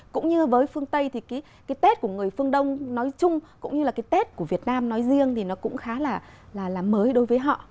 cũng như với phương tây thì cái tết của người phương đông nói chung cũng như là cái tết của việt nam nói riêng thì nó cũng khá là mới đối với họ